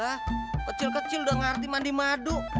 ah kecil kecil udah ngerti mandi madu